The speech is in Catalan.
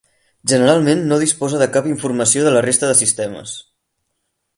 Generalment no disposa de cap informació de la resta de sistemes.